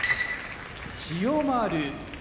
千代丸